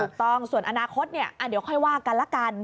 ถูกต้องส่วนอนาคตเดี๋ยวค่อยว่ากันละกัน